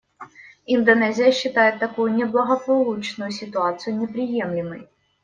Индонезия считает такую неблагополучную ситуацию неприемлемой.